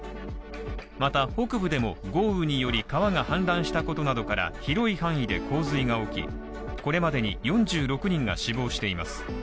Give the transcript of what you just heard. また、北部でも豪雨により川が氾濫したことなどから、広い範囲で洪水が起きこれまでに４６人が死亡しています。